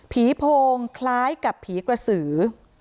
โพงคล้ายกับผีกระสือ